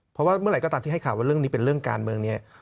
เพราะว่าเมื่อไหร่ก็ตามที่ให้ข่าวว่าเรื่องนี้เป็นเรื่องการเมืองเนี่ย